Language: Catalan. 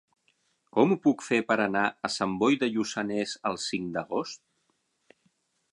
Com ho puc fer per anar a Sant Boi de Lluçanès el cinc d'agost?